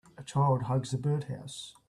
A child hugs a birdhouse.